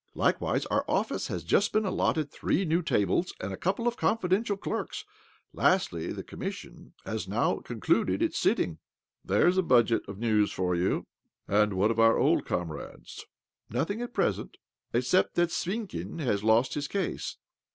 Likewise, our office has just been allotted three new tables and a couple of confidential clerks. Lastly, the Commission has now concluded its sittings. There's a budget of news for you I " "And what of our old comrades?" " Nothing at present, except that Svinkin has lost his case."